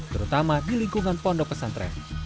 terutama di lingkungan pondok pesantren